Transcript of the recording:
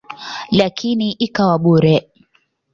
Lakini ikawa bure.